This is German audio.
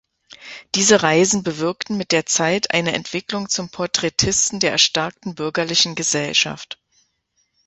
Diese Reisen bewirkten mit der Zeit eine Entwicklung zum Porträtisten der erstarkten bürgerlichen Gesellschaft.